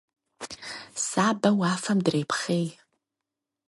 Сабэ уафэм дрепхъей.